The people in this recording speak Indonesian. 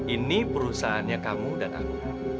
ini perusahaannya kamu dan aku